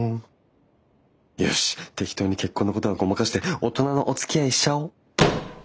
よし適当に結婚のことはごまかして大人のおつきあいしちゃおう。